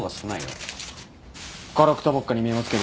ガラクタばっかに見えますけど。